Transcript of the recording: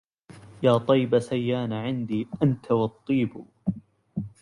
يا طيب سيان عندي أنت والطيب